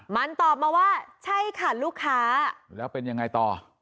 มันตอบมาว่าใช่ค่ะลูกค้าแล้วเป็นยังไงต่อ